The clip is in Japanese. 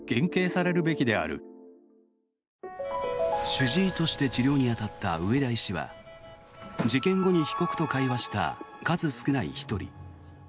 主治医として治療に当たった上田医師は事件後に被告と会話した数少ない１人。